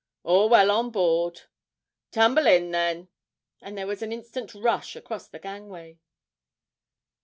'All well on board.' 'Tumble in, then;' and there was an instant rush across the gangway.